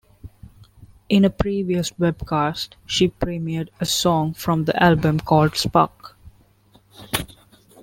In a previous webcast, she premiered a song from the album called "Spark".